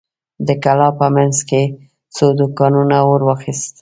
د کلا په مينځ کې څو دوکانونو اور واخيست.